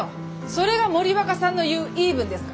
それが森若さんの言うイーブンですか。